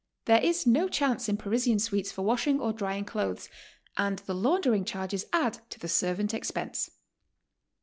There is no chance in Parisian suites for washing or drying clothes, and the laun dering charges add to the servant expense.